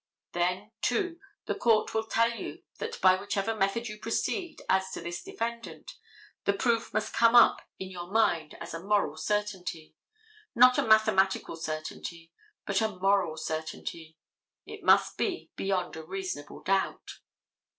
Then, too, the court will tell you that by whichever method you proceed as to this defendant, the proof must come up in your mind as a moral certainty—not a mathematical certainty, but a moral certainty. It must be beyond a reasonable doubt.